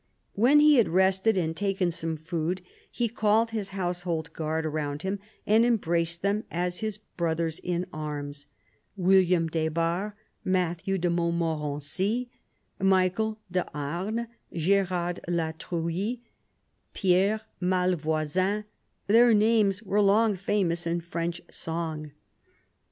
When he had rested and taken some food he called his household guard around him and embraced them as his brothers in arms, William des Barres, Matthew de Montmorency, Michael de Harnes, Gerard la Truie, Pierre Malvoisin — their names were long famous in French song.